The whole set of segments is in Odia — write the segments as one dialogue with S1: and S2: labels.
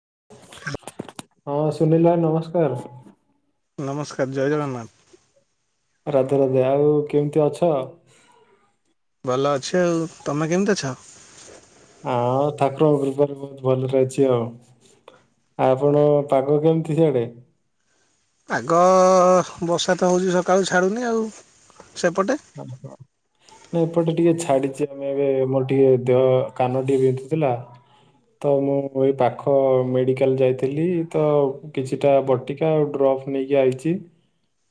S1: [inaudible]
S2: ହଁ ସୁନୀଲ ଭାଇ ନମସ୍କାର।
S1: ନମସ୍କାର ଜୟ ଜଗନ୍ନାଥ।
S2: ରାଧେ ରାଧେ ଆଉ କେମିତି ଅଛ?
S1: ଭଲ ଅଛି ଆଉ ତମେ କେମିତି ଅଛ?
S2: ହଁ ଠାକୁରଙ୍କ କୃପାରୁ ବହୁତ ଭଲରେ ଅଛି ଆଉ। ଆପଣ ପାଗ କେମିତି ସାଡେ?
S1: ପାଗ ବର୍ଷା ତ ହେଉଛି ସକାଳୁ ଛାଡ଼ୁନି ଆଉ ସେପଟେ?
S2: ହଁ ହଁ। ନା ଏପଟେ ଟିକେ ଛାଡିଛି ଆମେ ଏବେ ମୋର ଟିକେ ଦେହ କାନ ଟିକେ ବିଧୁଥିଲା। ତ ମୁଁ ଏଇ ପାଖ ମେଡିକାଲ ଯାଇଥିଲି ତ କିଛିଟା ବଟି ଆଉ ଡ୍ରପ୍ ନେଇକି ଆଇଛି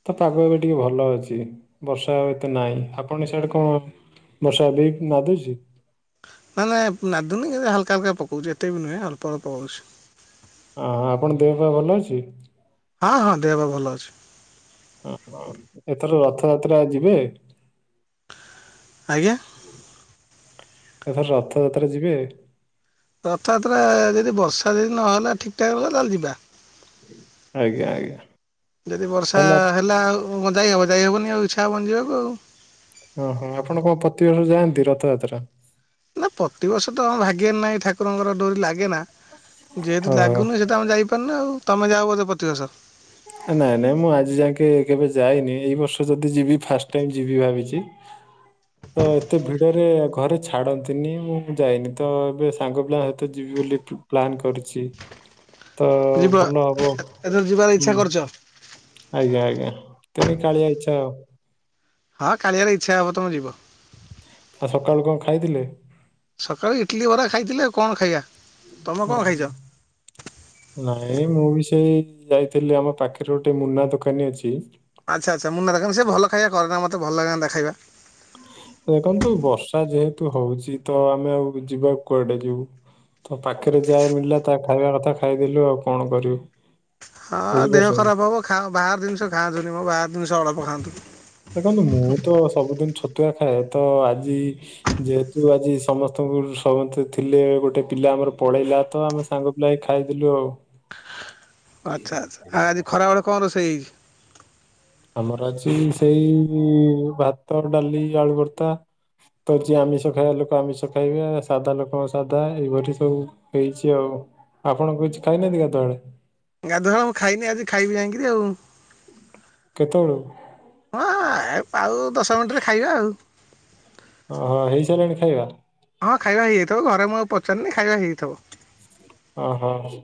S2: ତ ପାଗ ଏବେ ଟିକେ ଭଲ ଅଛି ବର୍ଷା ନାଇଁ ଆପଣ ଏ ସେଆଡେ କଣ ବର୍ଷା ଏବେବି ନାଦୁଛି।
S1: ନା ନା ନାଦୁନୀ କେ ହଲକା ହଲକା ପକଉଛି ଏତେ ବି ନୁହେଁ ଅଳ୍ପ ଅଳ୍ପ ହଉଛି।
S2: ଅଁ ହଁ ଆପଣ ଦେହ ପା ଭଲ ଅଛି?
S1: ହଁ ହଁ ଦେହ ପା ଭଲ ଅଛି।
S2: ଏଥର ରଥଯାତ୍ରା ଯିବେ?
S1: ଆଜ୍ଞା?
S2: ଏଥର ରଥଯାତ୍ରା ଯିବେ?
S1: ରଥଯାତ୍ରା ଯଦି ବର୍ଷା ଯଦି ନହେଲା ଠିକ୍ ଠାକ ହେଲା ତାହେଲେ ଯିବା।
S2: ଆଜ୍ଞା ଆଜ୍ଞା
S1: ଯଦି ବର୍ଷା
S2: ତାହେଲେ ଆପ
S1: ହେଲା ଆଉ [unintelligible] ହେବନ ଆଉ ଇଛା ହବନି ଯିବାକୁ ଆଉ।
S2: ଓହୋ। ଆପଣ କଣ ପ୍ରତିବର୍ଷରୁ ଯାଆନ୍ତି ରଥଯାତ୍ରା?
S1: ନା ପ୍ରତିବର୍ଷ ତ ଆମ ଭାଗ୍ୟରେ ନାହିଁ, ଠାକୁରଙ୍କର ଡୋରି ଲାଗେ ନା। ଯେହେତୁ
S2: ଓହୋ
S1: ଲାଗୁନି ସେ ତ ଆମେ ଯାଇପାରୁନେ ଆଉ। ତମ ଯାଅ ବୋଧେ ପ୍ରତି ବର୍ଷ।
S2: ନାଇଁ ନାଇଁ ମୁଁ ଆଜି ଯାକେ କେବେ ଯାଇନି। ଏଇ ବର୍ଷ ଯଦି ଯିବି ଫାଷ୍ଟ ଟାଇମ ଯିବି ଭାବିଚି। [inaudible] ତ ଏତେ ଭିଡରେ ଘରେ ଛାଡ଼ନ୍ତିନି ମୁଁ ବି ଯାଏନି। ତ ଏବେ ସାଙ୍ଗ ପିଲା ସହିତ ଯିବି ବୋଲି ପ୍ଲାନ୍ କରିଚି। ତ
S1: ଯିବ
S2: ଭଲ ହବ।
S1: ଏଥର ଯିବାର
S2: ହୁଁ
S1: ଇଚ୍ଛା କରିଚ?
S2: ଆଜ୍ଞା ଆଜ୍ଞା। ତେଣିକି କାଳିଆ ଇଚ୍ଛା ଆଉ।
S1: ହଁ କାଳିଆର ଇଚ୍ଛା ହବ ତମେ ଯିବ।
S2: ଆ ସକାଳୁ କଣ ଖାଇଥିଲେ?
S1: ସକାଳୁ ଇଟଲିି ବରା ଖାଇଥିଲେ ଆ କଣ ଖାଇବା। ତମେ କଣ
S2: ଓହୋ
S1: ଖାଇଚ?
S2: ନାଇଁ ମୁଁ ବି ସେଇ ଯାଇଥିଲି ଆମ ପାଖରେ ଗୋଟେ ମୁନା ଦୋକାନୀ ଅଛି।
S1: ଆଚ୍ଛା ଆଚ୍ଛା। ମୁନା ଦୋକାନ ସେ ଭଲ ଖାଇବା କରେନା ମତେ ଭଲ ଲାଗେନା ତା ଖାଇବା।
S2: ଦେଖନ୍ତୁ ବର୍ଷା ଯେହେତୁ ହଉଚି ତ ଆମେ ଆଉ ଯିବା କୁଆଡେ ଯିବୁ। ତ ପାଖରେ ଯାହା ମିଳିଲା ତା ଖାଇବା କଥା ଖାଇଦେଲୁ ଆଉ କଣ କରିବୁ।
S1: ହଁ ଦେହ
S2: ବୁଝିପାରୁଛନ୍ତି
S1: ଖରାପ ହେବ ଖା ବାହାର ଜିନିଷ ଖାଆନ୍ତୁନି ମ ବାହାର ଜିନିଷ ଅଳ୍ପ ଖାଆନ୍ତୁ।
S2: ଦେଖନ୍ତୁ ମୁଁ ତ ସବୁଦିନ ଛତୁଆ ଖାଏ। ତ ଆଜି ଯେହେତୁ ଆଜି ସମସ୍ତଙ୍କୁ ସମସ୍ତେ ଥିଲେ ଗୋଟେ ପିଲା ଆମର ପଳେଇଲା ତ ଆମେ ସାଙ୍ଗ ବୁଲାଇ ଖାଇଦେଲୁ ଆଉ।
S1: ଆଚ୍ଛା ଆଚ୍ଛା। ଆଜି ଖରାବେଳେ କଣ ରୋଷେଇ ହେଇଚି?
S2: ଆମର ଆଜି ସେଇ ଭାତ, ଡାଲି, ଆଳୁ ଭର୍ତା। ତ ଯିଏ ଆମିଷ ଖାଇବା ଲୋକ ଆମିଷ ଖାଇବେ, ସାଧା ଲୋକଙ୍କ ସାଧା ଏଇଭଳି ସବୁ। ହେଇଛି ଆଉ। ଆପଣଙ୍କୁ କିଛି ଖାଇନାହାନ୍ତି କେତେବେଳେ?
S1: ଗାଧୁଆ ମୁଁ ଖାଇନି ଆଜି ଖାଇବି ଯାଇକିରି ଆଉ।
S2: କେତେବେଳୁ?
S1: ହଁ ହଁ ଆଉ ଦଶ ମିନିଟରେ ଖାଇବା ଆଉ।
S2: ହଁ ହେଇ ସାରିଲାଣି ଖାଇବା?
S1: ହଁ ଖାଇବା ହେଇଯାଇଥିବ ଘରେ ମୁଁ ଆଉ ପଚାରନି ଖାଇବା ହେଇଯାଇଥିବ।
S2: ଅ ହଁ।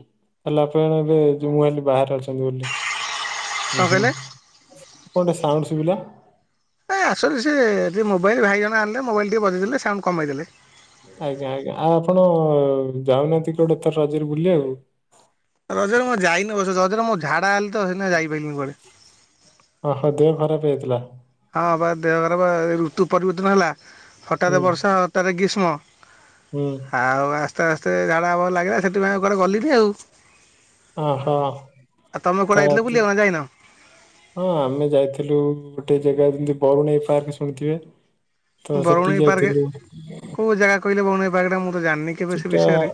S2: ହେଲେ ଆପଣ ଏବେ ଯୋଉ ମୁଁ ଭାବିଲି ବାହାରେ ଅଛନ୍ତି ବୋଲି। [unintelligible] କଣ ଗୋଟେ ସାଉଣ୍ଡ ସୁଭିଲା?
S1: ଏ ଆସୁ ସି ସେ ଟି ମୋବାଇଲ ଭାଇ ଜଣ ଆଣିଲେ ମୋବାଇଲ ଟିକେ ବଜେଇ ଦେଲେ ସାଉଣ୍ଡ କମେଇ ଦେଲେ।
S2: ଆଜ୍ଞା ଆଜ୍ଞା। ଆଉ ଆପଣ ଯାଉନାହାନ୍ତି [unintelligible] ରଜରେ ବୁଲିବାକୁ?
S1: ରଜରେ ମୁଁ ଯାଇନି ଅବଶ୍ୟ। ରଜରେ ମୁଁ ଝାଡା ହେଲି ତ ସେଇଥିପାଇଁ ଯାଇପାରିଲିନି କୁଆଡେ।
S2: ଓହୋ। ଦେହ ଖରାପ ହେଇାଇଥିଲା?
S1: ହଁ ବା ଦେହ ଖରାପ। ଋତୁ ପରିବର୍ତ୍ତନ ହେଲା
S2: ହୁଁ
S1: ହଠାତ୍ ବର୍ଷା ହଠାତ୍ ଗ୍ରୀଷ୍ମ।
S2: ହୁଁ।
S1: ଆଉ ଆସ୍ତେ ଆସ୍ତେ ଝାଡା ହବାକୁ ଲାଗିଲା। ସେଥିପାଇଁ ଆଉ କୁଆଡ଼େ ଗଲିନି ଆଉ।
S2: ଓହୋ
S1: ଆଉ ତମେ
S2: ତ
S1: କୁଆଡ଼େ ଯାଇଥିଲ
S2: ତୁ-
S1: ବୁଲିିବାକୁ ନା ଯାଇନ?
S2: ହଁ ଆମେ ଯାଇଥିଲୁ ଗୋଟେ ଜାଗା ଯେମତି ବରୁଣେଇ ପାର୍କ ଶୁଣିଥିବେ। ତ ସେଠି
S1: ବରୁଣେଇ ପାର୍କ
S2: ଯାଇଥିଲୁ
S1: କୋଉ ଜାଗା କହିଲେ ବରୁଣେଇ ପାର୍କଟା ମୁଁ ତ ଜାଣିନି। କେବେ ସେ
S2: ସେଇଟା
S1: ବିଷୟରେ।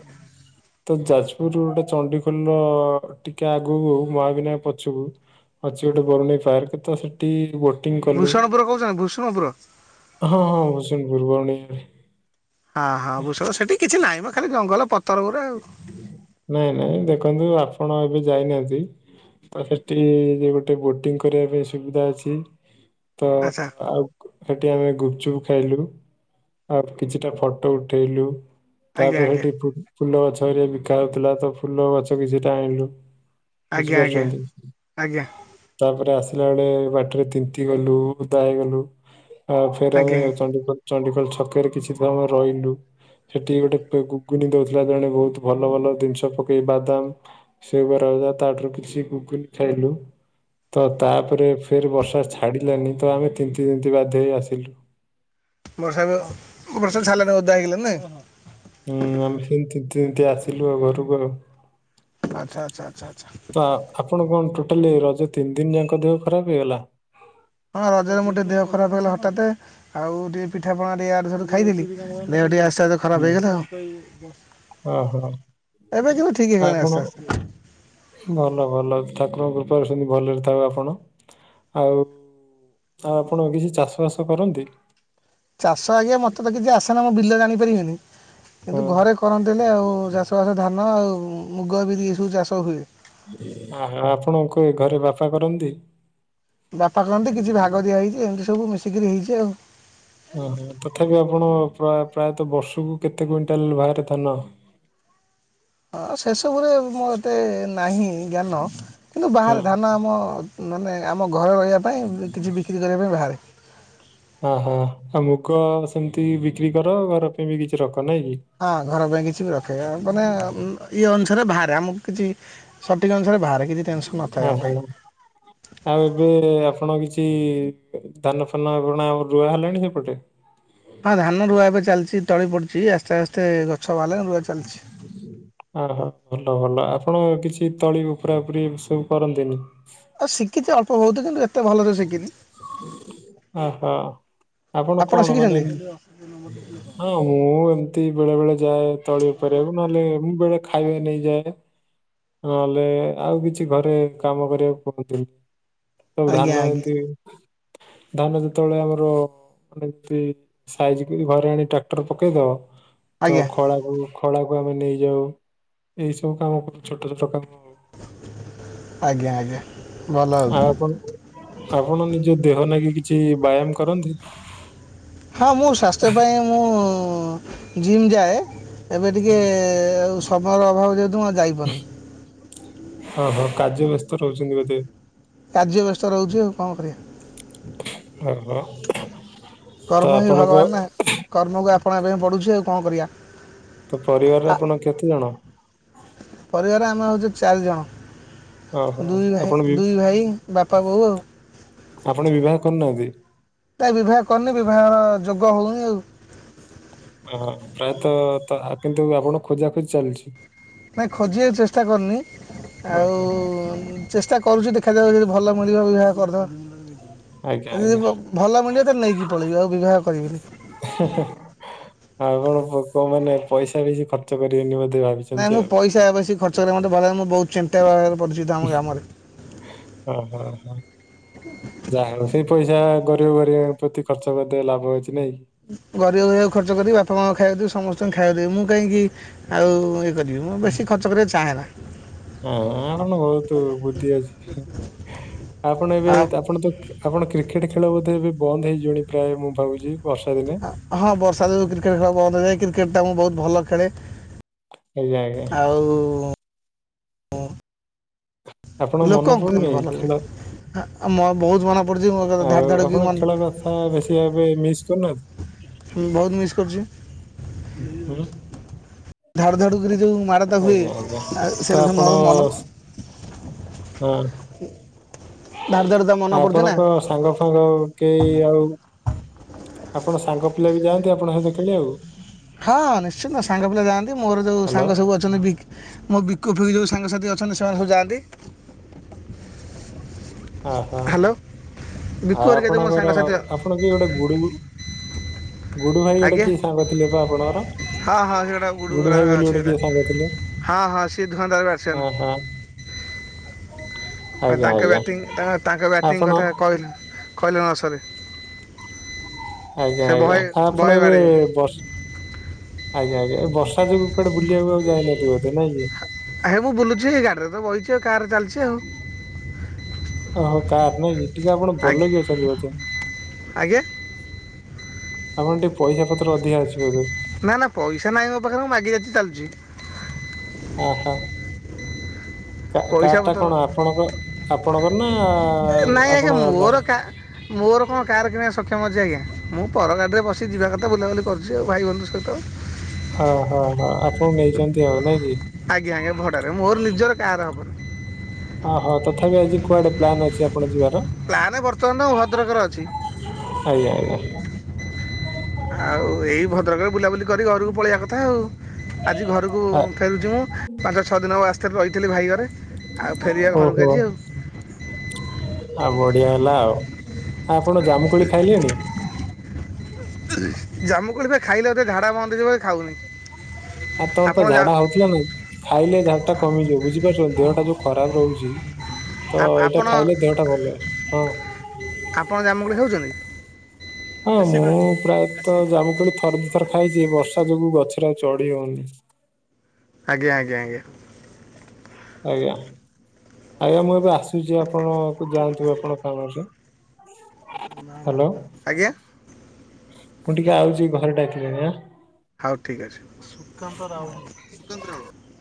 S2: ତ ଯାଜପୁରରୁ ଗୋଟେ ଚଣ୍ଡିଖୋଲର ଟିକେ ଆଗକୁ ମହାବିନାୟକ ପଛକୁ ଅଛି ଗୋଟେ ବରୁଣେଇ ପାର୍କ ତ ସେଠି ବୋଟିଙ୍ଗ କଲୁ।
S1: ଭୂଷଣପୁର କହୁଛନ୍ତି ଭୂଷଣପୁର
S2: ହଁ ହଁ ସେଇ ବରୁଣେଇ ରେ।
S1: ଅ ହ ଭୂଷଳ ସେଠି କିଛି ନାହିଁ ମ ଖାଲି ଜଙ୍ଗଲ ପଥର ଗୁରା ଆଉ।
S2: ନାଇଁ ନାଇଁ ଦେଖନ୍ତୁ ଆପଣ ଏବେ ଯାଇନାଆନ୍ତି ତ ସେଠି ଗୋଟେ ବୋଟିଂ କରିବା ପାଇଁ ସୁବିଧା ଅଛି। ତ
S1: ଆଚ୍ଛା
S2: ଆଉ ସେଠି ଆମେ ଗୁପଚୁପ ଖାଇଲୁ ଆଉ କିଛିଟା ଫଟୋ ଉଠେଇଲୁ
S1: ଆଜ୍ଞା
S2: ତାପରେ
S1: ଆଜ୍ଞା
S2: ହେଠି ଫୁଲ ଗଛ ବିକା ହଉଥିଲା ତ ଫୁଲ ଗଛ କିଛିଟା ଆଣିଲୁ।
S1: ଆଜ୍ଞା ଆଜ୍ଞା
S2: ବୁଝିପାରୁଛନ୍ତି?
S1: ଆଜ୍ଞା
S2: ତାପରେ ଆସିଲା ବେଳେ ବାଟରେ ତିନ୍ତି ଗଲୁ ଓଦା ହେଇଗଲୁ। ଆ ଫେରେ ଆମେ
S1: ଆଜ୍ଞା ଆଜ୍ଞା।
S2: ଚଣ୍ଡିଖୋଲ ଚଣ୍ଡିଖୋଲ ଛକରେ କିଛି ସମୟ ରହିଲୁ ସେଠିକି ଗୋଟେ ଘୁଗୁନି ଦୋଉ ଥିଲା ଜଣେ ବହୁତ ଭଲ ଭଲ ଜିନିଷ ପକେଇ ବାଦାମ ସେ କର ତାଠାରୁ କିଛି ଘୁଗୁନି ଖାଇଲୁ। ତ ତାପରେ ଫେରେ ବର୍ଷା ଛାଡ଼ିଲାନି ତ ଆମେ ତିନ୍ତିତିନ୍ତି ବାଧ୍ୟ ହେଇ ଆସିଲୁ। [inaudible]
S1: ବର୍ଷା ନଓଉ ବ ବର୍ଷା ଛାଲାନି ଓଦା ହେଇଗଲେନି ନାଇଁ?
S2: ହୁଁ ଆମେ ସେମତି ତିନ୍ତି ତିନ୍ତି ଆସିଲୁ ଆଉ ଘରୁକୁ ଆଉ।
S1: ଆଚ୍ଛା ଆଚ୍ଛା ଆଚ୍ଛା ଆଚ୍ଛା।
S2: ତ ଆପଣ କଣ ଟୋଟାଲି ରଜ ତିନି ଦିନ ଯାକ ଦେହ ଖରାପ ହେଇଗଲା?
S1: ହଁ ରଜରେ ମୋ ଟିକେ ଦେହ ଖରାପ ହେଇଗଲା ହଠାତ୍। ଆଉ ଟିକେ ପିଠା ପଣା ଟିକେ ୟାଡୁସାଡୁ ଖାଇଦେଲି। ଦେହ ଟିକେ ଆସ୍ତେ ଆସ୍ତେ
S2: ହୁଁ
S1: ଖରାପ ହେଇଗଲା ଆଉ।
S2: ଓହୋ
S1: ଏବେ କିନ୍ତୁ ଠିକ ହେଇଗଲାଣି
S2: ଆପଣ
S1: ଆସ୍ତେ ଆସ୍ତେ।
S2: ଭଲ ଭଲ ଠାକୁରଙ୍କ କୃପାରୁ ସେମତି ଭଲରେ ଥାଉ ଆପଣ। ଆଉ ଆଉ ଆପଣ କିଛି ଚାଷ ବାସ କରନ୍ତି?
S1: ଚାଷ ଆଜ୍ଞା ମତେ ତ କିଛି ଆସେନା। ମୁଁ ବିଲ ଜାଣିପାରିବିନି। କିନ୍ତୁ
S2: ହଁ
S1: ଘରେ କରନ୍ତିନି ଆଉ ଚାଷବାସ ଧାନ, ଆଉ ମୁଗ, ବିିରି, ଏ ସବୁ ଚାଷ ହୁଏ।
S2: ଆପଣଙ୍କୁ ଏ ଘରେ ବାପା କରନ୍ତି?
S1: ବାପା କହନ୍ତି କିଛି ଭାଗ ଦିଆହେଇଚି ଏମତି ସବୁ ମିଶିକିରି ହେଇଚି ଆଉ।
S2: ଓହୋ ତଥାପି ଆପଣ ପ୍ରୟା ପ୍ରାୟତଃ ବର୍ଷକୁ କେତେ କୁଇଣ୍ଟାଲ ବାହାରେ ଧାନ?
S1: ହଁ ସେସବୁରେ ମୁଁ ଏତେ ନାହିଁ ଜ୍ଞାନ। କିନ୍ତୁ
S2: ହୁଁ
S1: ବାହାରେ ଧାନ ଆ ମ ମାନେ ଆମ ଘରେ ରହିବା ପାଇଁ କିଛି ବିକ୍ରି କରିବା ପାଇଁ ବାହାରେ।
S2: ଅ ହୋ ଆଉ ମୁଗ ସେମତି ବିକ୍ରି କର ଘର ପାଇଁ ବି କିଛି ରଖ ନାଇଁ କି।
S1: ହଁ ଘର ପାଇଁ କିଛି ବି ରଖେ। ମାନେ ଇଏ ଅନୁସାରେ ଭାରେ ଆମକୁ କିଛି ସଠିକ ଅନୁସାରେ ଭାରେ।
S2: ଓ ହୋ ଆଉ ଏବେ ଆପଣ କିଛି ଧାନ ଫାନ ବୁଣା ଆଉ ରୁଆ ହେଲାଣି ସେପଟେ?
S1: ହଁ ଧାନ ରୁଆ ଏବେ ଚାଲଚି। ତଳି ପଡଚି ଆସ୍ତେ ଆସ୍ତେ ଗଛ ଭାରିଲାଣି ରୁଆ ଚାଲଚି।
S2: [inaudible] ଅ ହ ଭଲ ଭଲ ଆପଣ କିଛି ତଳି ଉପୁରା ଉପୁରି ଏ ସବୁ କରନ୍ତିନି?
S1: ଆଉ ଶିଖିଚି ଅଳ୍ପ ବହୁତ। କିନ୍ତୁ ଏ
S2: ଅ ହଁ। ଆପଣ କଣ ମାନେ ନାଉଁ ମୁଁ ଏମତି ବେଳେ ବେଳେ ଯାଏ ତଳି ଉପରିବାକୁ। ନଏଲେ ମୁଁ ବେଳେ ଖାଇବା ନେଇଯାଏ। ନହେଲେ ଆଉ କିଛି ଘରେ କାମ କରିବାକୁ କହନ୍ତି।
S1: ଆଜ୍ଞା ଆଜ୍ଞା।
S2: କି ଧାନ ଯେତେବେଳେ ଆମର ଏମ୍ ପି ଆଇ ସାଇଜ କରି ଘରେ ଆଣି ଟ୍ରାକ୍ଟର ପକେଇଦବ। ତ
S1: ଆଜ୍ଞା
S2: ଖଳାକୁ ଖଳାକୁ ଆମେ ନେଇଯାଉ। ଏଇ ସବୁ କାମ କରୁ ଛୋଟ ଛୋଟ କାମ।
S1: ଆଜ୍ଞା ଆଜ୍ଞା।
S2: ଆଉ ଆପଣ ଆପଣ ନିଜ ଦେହ ଲାଗି କିଛି ବ୍ୟାୟାମ କରନ୍ତି?
S1: ହଁ, ମୁଁ ସ୍ୱାସ୍ଥ୍ୟ ପାଇଁ ମୁଁ ଜିମ୍ ଯାଏ। ଏବେ ଟିକିଏ ଆଉ ସମୟର ଅଭାବ ଯେହେତୁ ମୁଁ ଯାଇପାରୁନି।
S2: ହଁ ହଁ କାର୍ଯ୍ୟ ବ୍ୟସ୍ତ ରହୁଛନ୍ତି ବୋଧେ।
S1: କାର୍ଯ୍ୟ ବ୍ୟସ୍ତ ରହୁଛି ଆଉ କଣ କରିବା?
S2: ଓ ହୋ।
S1: କର୍ମ ହିଁ ଭଗବାନ ନାଁ। କର୍ମକୁ ଆପଣା କରିବାକୁ ପଡ଼ୁଚି ଆଉ କଣ କରିବା?
S2: ତ ପରିବାରରେ
S1: ଆ
S2: ଆପଣ କେତେ ଜଣ?
S1: ପରିବାର ଆମେ ହୋଉଚୁ ଚାରି ଜଣ।
S2: ଓହୋ
S1: ଦୁଇ ଭାଇ
S2: ଆପଣ ବି
S1: ଦୁଇ ଭାଇ ବାପା ବୋଉ ଆଉ।
S2: ଆପଣ ବିବାହ କରନାହାନ୍ତି?
S1: ତା ବିବାହ କରନି। ବିବାଘର ଯୋଗ ହୋଉନି ଆଉ।
S2: ଓ ପ୍ରାୟତଃ ତ କିନ୍ତୁ ଆପଣକୁ ଖୋଜା ଖୋଜି ଚାଲିଚି।
S1: ନାଇଁ ଖୋଜିବାକୁ ଚେଷ୍ଟା କରନି। ଆଉ
S2: ଓହୋ
S1: ଚେଷ୍ଟା କରୁଚି ଦେଖାଯାଉ ଯଦି ଭଲ ମଳିବେ ବିିବାହ କରିଦବା।
S2: ଆଜ୍ଞା
S1: ଏଜେ
S2: ଆଜ୍ଞା
S1: ଯଦି ଭଲ ମିଳିବ ତ ନେଇକି ପଳେଇବି ଆଉ ବିବାହ କରିବିିନି।
S2: ହେ-ହେ ଆଉକଣ ପୋକ ମାନେ ପଇସା ବେଶୀ ଖର୍ଚ୍ଚ କରିବେନି ବୋଧେ ଭାବି
S1: ନାଇଁ ମୁଁ ପଇସା ବେଶି ଖର୍ଚ୍ଚ କରିବା ମୋତେ ଭଲ ଲାଗେନି ମୁଁ ବହୁତ ଚିନ୍ତା ଭାବରେ ପରିଚିତ ଆମ ଗାମରେ।
S2: ଓ ହଁ, ହଁ, ହଁ ଯାହା ହଉ ସେଇ ପଇସା ଗରିବ ଗରିବଙ୍କ ପ୍ରତି ଖର୍ଚ୍ଚ କରିଦେବେ ଲାଭ ଅଛି ନାଇଁ କି?
S1: ଗରିବଗରିବା ଖର୍ଚ୍ଚ କରିବି ବାପା ମା ଖାଇବାକୁ ଦେବି ସମସ୍ତଙ୍କୁ ଖାଇବାକୁ ଦେବି। ମୁଁ କାଇଁକି ଆଉ ମୁ ବେଶୀ ଖର୍ଚ୍ଚ କରିବାରେ ଚାହେଁନା।
S2: ଆ କଣ ବହୁତ ବୁଦ୍ଧି ଅଛି। ହିଁ ଆପଣ ଏବେ
S1: ଆଉ
S2: ଆପଣ ତ କ୍ୟ ଆପଣ କ୍ରିକେଟ ଖେଳ ବୋଧେ ଏବେ ବନ୍ଦ ହେଇ ଜୀବଣି ପ୍ରାୟ ମୁଁ ଭାବୁଛି ବର୍ଷା ଦିନେ
S1: ହଁ ବର୍ଷା ଯୋଗୁଁ କ୍ରିକେଟ ଖେଳ ବନ୍ଦହୋଇଯାଏ। କ୍ରିକେଟ୍ ଟା ମୁଁ ବହୁତ ଭଲ ଖେଳେ।
S2: ହେଲେ
S1: ଆଉ
S2: ଆପଣ ମନେ
S1: ଲୋକଙ୍କୁ
S2: ପଡୁନି
S1: କିନ୍ତୁ ଭଲ ଲାଗେ
S2: ଖେଳ
S1: ଆଉ ମୋ ବହୁତ ମନେ ପଡ଼ୁଛି ମୋ ଧାଡ଼
S2: ଆଉ
S1: ଧାଡ଼କି
S2: ଆପଣ
S1: ମନେ
S2: ଖେଳ ବା। ହ ବେଶୀ ଏବେ ମିସ୍ କରୁନାହାନ୍ତି?
S1: ବହୁତ ମିସ୍ କରୁଛି।
S2: ହୁଁ
S1: ଧାଡୁ ଧାଡୁ କରି ଯୋଉ ମାଡ ହୁଏ।
S2: ଆଜ୍ଞା ଆଜ୍ଞା
S1: ଆଉ
S2: ତ
S1: ସେକଥା
S2: ଆପଣ
S1: ମୋର ମନ
S2: ହଁ।
S1: ଧଡୁ ଧାଡୁ ଧମ୍।
S2: ଆପଣଙ୍କ ସାଙ୍ଗ ଫାଙ୍ଗ କେହି ଆଉ। ଆପଣ ସାଙ୍ଗ ପିଲା ବି ଯାଆନ୍ତି। ଆପଣ ସହିତ ଖେଳିବାକୁ?
S1: ହଁ, ନିଶ୍ଚିତ ସାଙ୍ଗ ପିଲା ଯାଆନ୍ତି। ମୋର ଯୋଉ
S2: ହ୍ୟାଲୋ
S1: ସାଙ୍ଗ ସବୁ ଅଛନ୍ତି। ବିକ୍ ମୋ ବିକୋଫିକ ଯେଉଁ ସାଙ୍ଗସାଥି ଅଛନ୍ତି ସେମାନେ ସବୁ ଯାଆନ୍ତି।
S2: ଓହୋ।
S1: ହ୍ୟାଲୋ ବିକୁ
S2: ଆ
S1: ହେରିକା ଯେଉଁ ମୋ
S2: ଆପଣଙ୍କର
S1: ସାଙ୍ଗସାଥି
S2: ଆପଣ କି ଗୋଟେ ଗୁଡୁ। ଗୁଡୁ ଭାଇ ଗୋଟେ
S1: ଆଜ୍ଞା
S2: କିଏ ସାଙ୍ଗ ଥିଲେ ବା
S1: ହଁ ହଁ
S2: ଆପଣଙ୍କର?,
S1: ସେଗୁଡ଼ା ଗୁଡ଼ୁ
S2: ଗୁଡୁ
S1: ଗୁଡ଼ା
S2: ଭାଇ ବୋଲି
S1: ଅଛି
S2: ଗୋଟେ
S1: ସେଟା
S2: କିଏ ସାଙ୍ଗ ଥିଲେ।
S1: ହଁ ହଁ ସେ ଧନ୍ଦା କୁ ଆସିବନି।
S2: କଉଠି ହେଲ?
S1: ମାନ ତାଙ୍କେ ବ୍ୟାଟିଂ ତାଙ୍କ ତାଙ୍କ ବ୍ୟାଟିଂ କଥା କଇ କଇଲେ ନସରେ।
S2: ଆଜ୍ଞା! ଆଜ୍ଞା ଆ ଆପଣ ଏବେ ବର୍ଷ ଆଜ୍ଞା! ଆଜ୍ଞା। ଏ ବର୍ଷା ଯୋଗୁ କୁଆଡେ ବୁଲିବାକୁ ଆଉ ଯାଇନଥିବେ। ନାଇଁ କି
S1: ଆ ମୁଁ ବୁଲୁଛି ଏଇ ଗାଡିରେ ତ ବଇଚି ଆଉ କାର ଚାଲିଚି ଆଉ
S2: ଓହୋ! କାର୍ ନାଇଁ ଟିକେ ଆପଣ ବଡ଼
S1: ଆଜ୍ଞା
S2: ଲୋକିି ଅଛନ୍ତି ବୋଧେ।
S1: ଆଜ୍ଞା
S2: ଆପଣଙ୍କ ଟିକେ ପଇସା ପତ୍ର ଅଧିକା ଅଛି ବୋଧେ।
S1: ନା ନା ପଇସା ନାହିଁ ମୋ ପାଖରେ ମୁଁ ମାଗି ଯାଚି ଚାଲୁଚି।
S2: ଓହୋ! କାର୍
S1: ପଇସା
S2: ଟା
S1: ପତ୍ର
S2: କଣ ଆପଣ ଆପଣଙ୍କର ନା
S1: ନାହିଁ ଆଜ୍ଞା
S2: ଆପଣଙ୍କ
S1: ମୋର
S2: ଦାଦାର?
S1: କା ମୋର କଣ କାର୍ କିଣିବା ସକ୍ଷମ ଅଛି ଆଜ୍ଞା ମୁଁ ପର ଗାଡ଼ିରେ ବସି ଯିବା କଥା ବୁଲାବୁଲି କରିୁଛି ଆଉ ଭାଇ ବନ୍ଧୁ ସହିତ।
S2: ହଁ-ହଁ-ହଁ ଆପଣ ନେଇଚନ୍ତି ଆଉ ନାଇଁ କି?
S1: ଆଜ୍ଞା ଆଜ୍ଞା ଭଡାରେ ମୋର ନିଜର କାର୍ ହବନି।
S2: ଓହୋ। ତଥାପି ଆଜି କୁଆଡେ ପ୍ଲାନ୍ ଅଛି ଆପଣ ଯିବାର?
S1: ପ୍ଲାନ୍ ବର୍ତ୍ତମାନ ଭଦ୍ରକରେ ଅଛି।
S2: ଆଜ୍ଞା ଆଜ୍ଞା,
S1: ଆଉ ଏଇ ଭଦ୍ରକରେ ବୁଲାବୁଲି କରି ଘରକୁ ପଳେଇବା କଥା ଆଉ। ଆଜି ଘରକୁ ଫେରୁଛି ମୁଁ। ପାଞ୍ଚ ଛଅ ଦିନ ହେବ ଆସିଥିଲି ଭାଇ ଘରେ ଆଉ ଫେରିବା ଘରକୁ
S2: ଓହୋ
S1: ଆଜି ଆଉ।
S2: ଆଉ ବଢିଆ ହେଲା ଆଉ। ଆପଣ ଜାମୁକୋଳି ଖାଇଲେଣି?
S1: ଜାମୁକୋଳି ବା ଖାଇଲେ ମତେ ଝାଡ଼ା ବନ୍ଦ ହେଇଯିବ ଖାଉନି।
S2: ଆ ତମର ତ
S1: ଆପଣ
S2: ଝାଡା
S1: ଯା-
S2: ହଉ ହେଲା ନାଇ ଖାଇଲେ ଝାଡାଟା କମିଯିବ। ବୁଝିପାରୁଛନ୍ତି ଦେହଟା ଯୋଉ ଖରାପ ରହୁଛି। ତ
S1: ଆ-
S2: ଏଇଟା
S1: ଆପଣ
S2: ଖାଇଲେ ଦେହଟା ଭଲ ହଁ।
S1: ଆପଣ ଜାମୁକୋଳି ଖାଉଛନ୍ତି?
S2: ହଁ ମୁଁ ପ୍ରାୟତ ଜାମୁକୋଳି ଥର ଦି ଥର ଖାଇଛି। ବର୍ଷା ଯୋଗୁ ଗଛରେ ଆଉ ଚଢି ହଉନି।
S1: ଆଜ୍ଞା ଆଜ୍ଞା ଆଜ୍ଞା।
S2: ଆଜ୍ଞା ଆଜ୍ଞା ଆଉ ମୁଁ ଏବେ ଆସୁଛି ଆପଣ କୁ ଯାଆନ୍ତୁ ଆପଣ କାମରେ। ହ୍ୟାଲୋ
S1: ଆଜ୍ଞା,
S2: ମୁଁ ଟିକେ ଆଉଛି ଘରେ ଡାକିଲେଣି ଆଁ
S1: ହଉ ଠିକ ଅଛି। [unintelligible]